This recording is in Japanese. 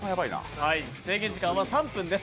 制限時間は３分です。